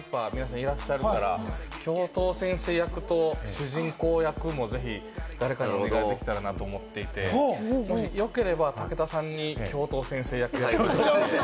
今日せっかくなんで、たくさん皆さんいらっしゃるから、教頭先生役と主人公役もぜひ、誰かにお願いできたらなと思っていて、もしよければ武田さんに教頭先生役を。